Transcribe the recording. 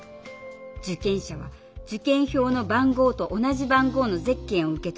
受験者は受験票の番号と同じ番号のゼッケンを受け取り